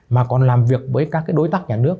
mà còn làm việc với các đối tác nhà nước